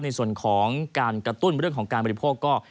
ในส่วนของการกระตุ้นบริโภคภายในประเทศ